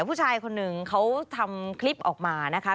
ผู้ชายคนหนึ่งเขาทำคลิปออกมานะคะ